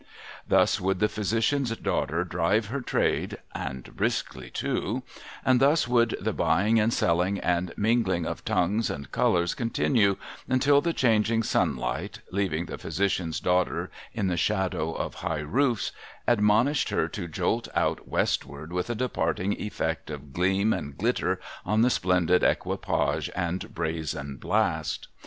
Thus would the Physician's Daughter drive her trade (and briskly too), and thus would the buying and selling and min gling of tongues and colours continue, until the changing sunlight, leaving the Physician's Daughter in the shadow of high roofs, admonished her to jolt out westward, with a departing effect of gleam and glitter on the splendid equipage and brazen blast.